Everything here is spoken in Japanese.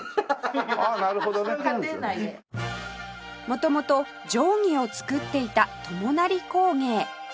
元々定規を作っていた友成工芸